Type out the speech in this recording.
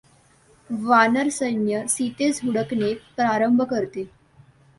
वानरसैन्य सीतॆस हुडकणे प्रारंभ करते.